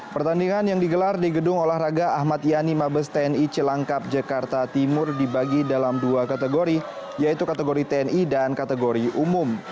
pertandingan yang digelar di gedung olahraga ahmad yani mabes tni cilangkap jakarta timur dibagi dalam dua kategori yaitu kategori tni dan kategori umum